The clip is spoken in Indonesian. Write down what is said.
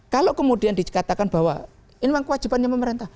kalau kemudian dikatakan bahwa ini memang kewajibannya pemerintah